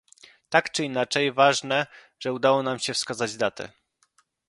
Tak czy inaczej, ważne, że udało nam się wskazać datę